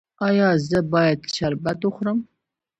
ایا زه باید شربت وخورم؟